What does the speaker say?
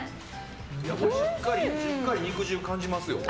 しっかり肉汁感じますよ。